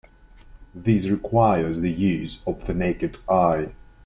This requires the use of the naked eye.